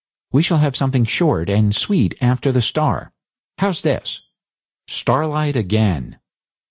'We shall have something short and sweet after the "Star". How's this? STARLIGHT AGAIN.